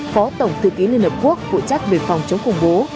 phó tổng thư ký liên hợp quốc phụ trách về phòng chống khủng bố